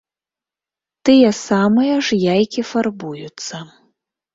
Тыя самыя ж яйкі фарбуюцца.